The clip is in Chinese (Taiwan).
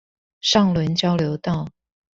上崙交流道